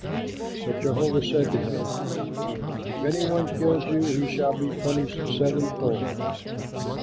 But Jehovah said to him, "If any one kills you, he shall be punished sevenfold."